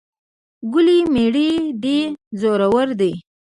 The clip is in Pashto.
ګلې مړې دې زورور دي.